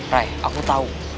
rai aku tau